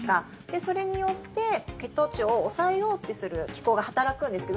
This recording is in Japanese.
それによって血糖値を抑えようとする機構が働くんですけど